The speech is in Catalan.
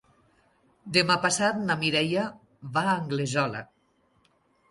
Demà passat na Mireia va a Anglesola.